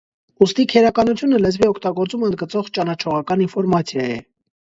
Ուստի քերականությունը լեզվի օգտագործումը ընդգծող ճանաչողական ինֆորմացիա է։